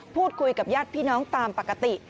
พูดคุยกับญาติพี่น้องตามปกติ